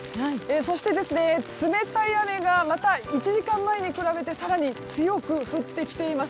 そして、冷たい雨がまた１時間前に比べて更に強く降ってきています。